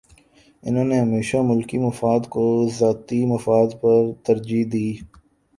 انہوں نے ہمیشہ ملکی مفاد کو ذاتی مفاد پر ترجیح دی۔